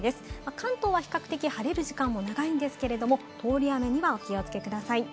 関東は比較的晴れる時間も長いんですけれども、通り雨にはお気をつけください。